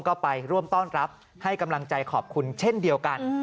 ก็ไปร่วมต้อนรับให้กำลังใจขอบคุณเช่นเดียวกัน